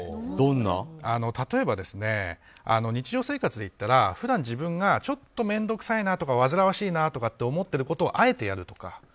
例えば、日常生活で言ったら普段、自分がちょっと面倒くさいなとかわずらわしいなと思ってることをあえてやるとか。